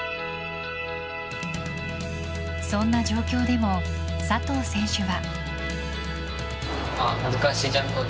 そんな状況でも佐藤選手は。